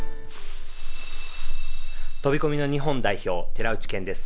飛込の日本代表、寺内健です